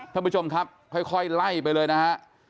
ท่านผู้ชมครับค่อยไล่ไปเลยนะฮะ